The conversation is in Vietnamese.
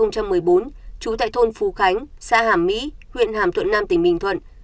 hai nghìn một mươi bốn chú tại thôn phú khánh xã hàm mỹ huyện hàm thuận nam tỉnh bình thuận